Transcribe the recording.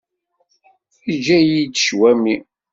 Yeǧǧa-yi-d ccwami.